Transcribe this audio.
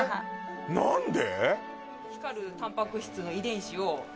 何で？